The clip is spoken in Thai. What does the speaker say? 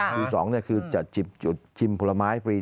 จุดสองคือจะจิบจุดชิมผลไม้ฟรี